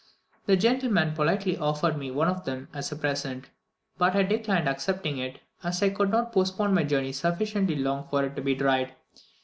The gentlemen politely offered me one of them as a present; but I declined accepting it, as I could not postpone my journey sufficiently long for it to be dried.